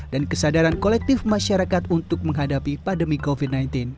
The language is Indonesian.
kesadaran kolektif masyarakat untuk menghadapi pandemi covid sembilan belas